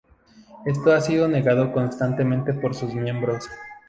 Esto ha sido negado constantemente por sus miembros.